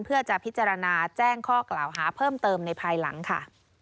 เพื่อจะพิจารณาแจ้งข้อกล่าวหาเพิ่มเติมในภายหลังค่ะ